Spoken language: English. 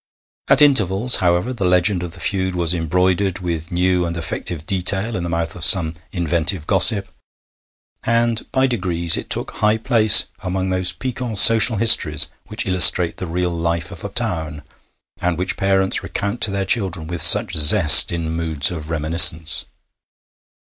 At intervals, however, the legend of the feud was embroidered with new and effective detail in the mouth of some inventive gossip, and by degrees it took high place among those piquant social histories which illustrate the real life of a town, and which parents recount to their children with such zest in moods of reminiscence.